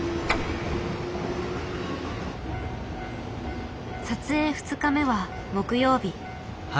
撮影２日目は木曜日。